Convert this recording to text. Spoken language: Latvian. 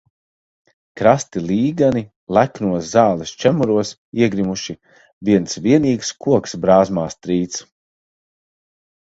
Krasti līgani leknos zāles čemuros iegrimuši, viens vienīgs koks brāzmās trīc.